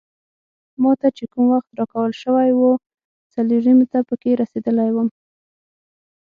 ما ته چې کوم وخت راکول شوی وو څلور نیمو ته پکې رسیدلی وم.